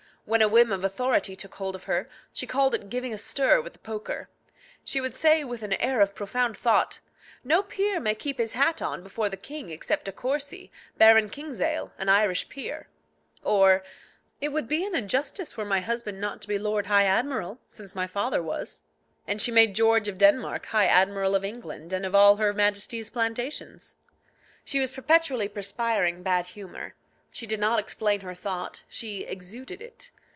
When a whim of authority took hold of her, she called it giving a stir with the poker. She would say with an air of profound thought, "No peer may keep his hat on before the king except De Courcy, Baron Kingsale, an Irish peer;" or, "It would be an injustice were my husband not to be Lord High Admiral, since my father was." And she made George of Denmark High Admiral of England and of all her Majesty's plantations. She was perpetually perspiring bad humour; she did not explain her thought, she exuded it.